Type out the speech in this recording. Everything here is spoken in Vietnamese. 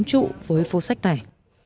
trụ với phố sách này